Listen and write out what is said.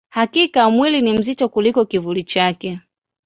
Hakika, mwili ni mzito kuliko kivuli chake.